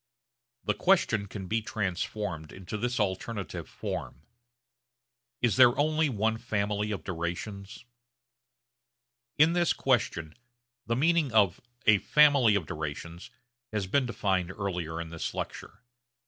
The question can be transformed into this alternative form, Is there only one family of durations? In this question the meaning of a 'family of durations' has been defined earlier in this lecture.